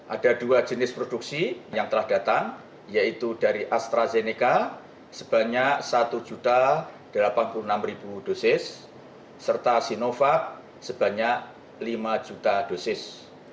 ada dua jenis produksi yang telah datang yaitu dari astrazeneca sebanyak satu delapan puluh enam dosis serta sinovac sebanyak lima juta dosis